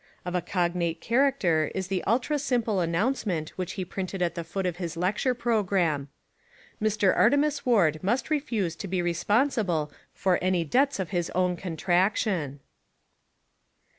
Of a cognate char acter is the ultra simple announcement which he printed at the foot of his lecture programme : "Mr. Artemus Ward must refuse to be re sponsible for any debts of his own contraction."